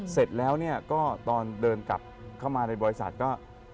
เสร็จแล้วเนี่ยก็ตอนเดินกลับเข้ามาในบริษัทก็